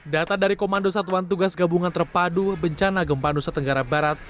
data dari komando satuan tugas gabungan terpadu bencana gempa nusa tenggara barat